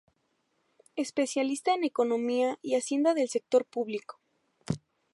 Especialista en Economía y Hacienda del sector público.